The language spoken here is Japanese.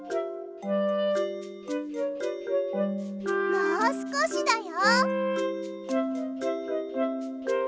もうすこしだよ！